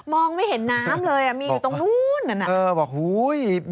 มองไม่เห็นน้ำเลยมีอยู่ตรงนู้นน่ะนะ